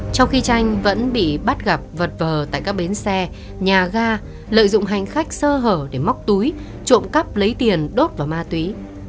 trong khi tranh vẫn bị bắt gặp vật vờ tại các bến xe nhà ga lợi dụng hành khách sơ hở để móc túi trộm cắp lấy tiền đốt và ma túy